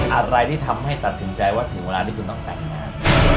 อะไรที่ทำให้ตัดสินใจว่าถึงเวลาที่คุณต้องแต่งงาน